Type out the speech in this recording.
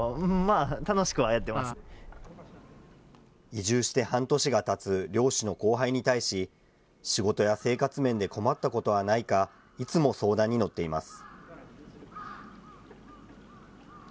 移住して半年がたつ漁師の後輩に対し、仕事や生活面で困ったことはないか、いつも相談に乗っています。